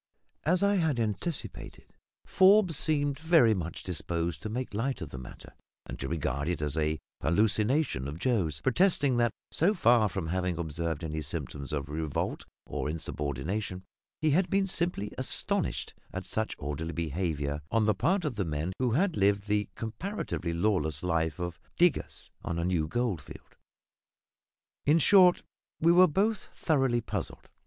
As I had anticipated, Forbes seemed very much disposed to make light of the matter, and to regard it as a hallucination of Joe's; protesting that, so far from having observed any symptoms of revolt or insubordination, he had been simply astonished at such orderly behaviour on the part of men who had lived the comparatively lawless life of diggers on a new gold field. In short, we were both thoroughly puzzled.